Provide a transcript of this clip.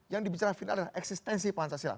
yang dibicara final adalah eksistensi pancasila